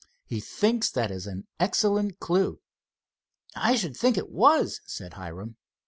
He thinks that is an excellent clew." "I should think it was," said Hiram.